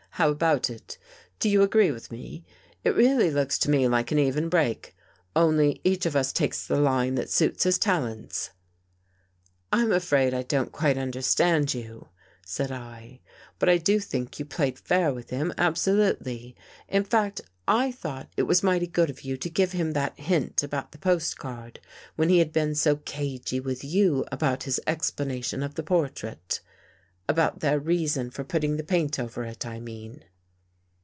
"How about it? Do you agree with me? It really looks to me like an even break. Only each of us takes the line that suits his talents." 100 AN EVEN BREAK " Pm afraid I don't quite understand you," said I. " But I do think you played fair with him, absolutely. In fact I thought it was mighty good of you to give him that hint about the postcard when he had been so cagey with you about his ex planation of the portrait — about their reason for putting the paint over it, I mean."